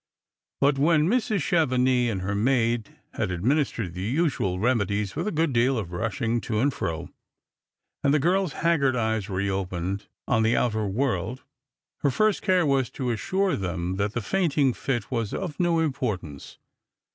But when Mrs. Chevenix and her maid had administered the usual remedies with a good deal of rushing to and fro, aud the girl's haggard eyes reopened on the outer world, her first care was to assure them that the fainting fit was of no importance.